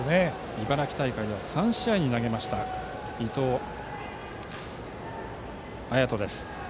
茨城大会では３試合に投げた伊藤彩斗です。